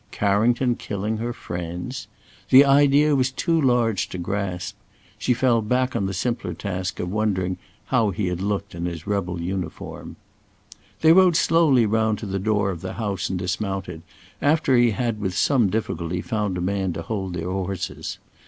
Carrington killing her friends! The idea was too large to grasp. She fell back on the simpler task of wondering how he had looked in his rebel uniform. They rode slowly round to the door of the house and dismounted, after he had with some difficulty found a man to hold their horses.